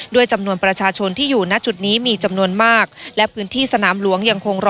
จำนวนประชาชนที่อยู่ณจุดนี้มีจำนวนมากและพื้นที่สนามหลวงยังคงรอ